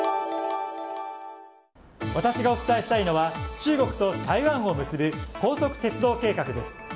私がお伝えしたいのは中国と台湾を結ぶ高速鉄道計画です。